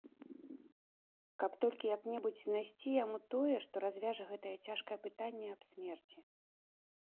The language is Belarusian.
Каб толькі як-небудзь знайсці яму тое, што развяжа гэта цяжкае пытанне аб смерці!